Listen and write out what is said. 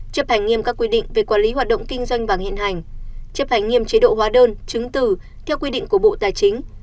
chấp hành nghiêm các quy định về quản lý hoạt động kinh doanh vàng hiện hành chấp hành nghiêm chế độ hóa đơn chứng tử theo quy định của bộ tài chính